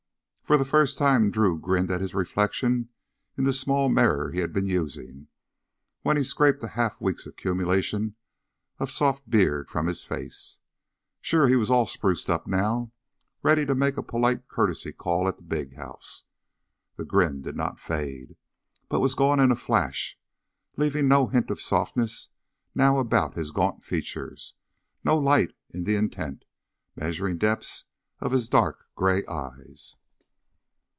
For the first time Drew grinned at his reflection in the small mirror he had been using, when he scraped a half week's accumulation of soft beard from his face. Sure, he was all spruced up now, ready to make a polite courtesy call at the big house. The grin did not fade, but was gone in a flash, leaving no hint of softness now about his gaunt features, no light in the intent, measuring depths of his dark gray eyes.